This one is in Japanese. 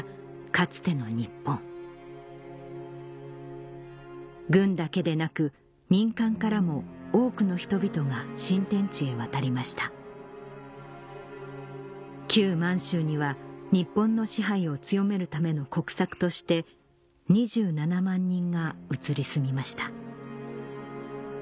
かつての日本軍だけでなく民間からも多くの人々が新天地へ渡りました満州には日本の支配を強めるための国策として２７万人が移り住みました